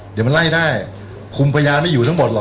เดี๋ยวมันไล่ได้คุมพยานไม่อยู่ทั้งหมดหรอ